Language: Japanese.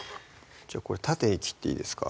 これ縦に切っていいですか？